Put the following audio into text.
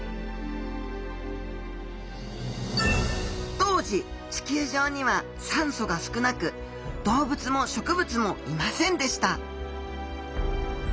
当時地球上には酸素が少なく動物も植物もいませんでした